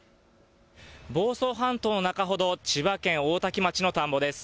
房総半島中ほど、千葉県大多喜町の田んぼです。